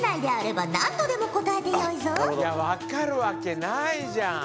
いや分かるわけないじゃん。